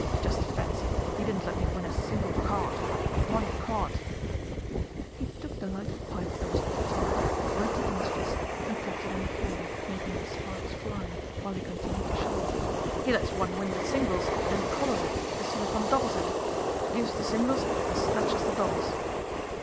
"Just fancy, he didn't let me win a single cahd, not one cahd." He took the lighted pipe that was offered to him, gripped it in his fist, and tapped it on the floor, making the sparks fly, while he continued to shout. "He lets one win the singles and collahs it as soon as one doubles it; gives the singles and snatches the doubles!"